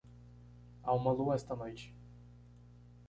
Há uma lua esta noite.